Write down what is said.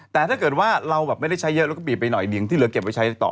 แต่ถ้าเกิดว่าเราแบบไม่ได้ใช้เยอะเราก็บีบไปหน่อยดิงที่เหลือเก็บไว้ใช้ต่อ